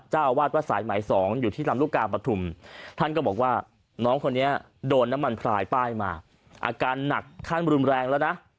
เจ้าอาวาสวัดสายไหม๒อยู่ที่ลำลูกกาปฐุมท่านก็บอกว่าน้องคนนี้โดนน้ำมันพลายป้ายมาอาการหนักขั้นรุนแรงแล้วนะ